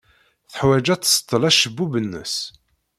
Teḥwaj ad tseḍḍel acebbub-nnes.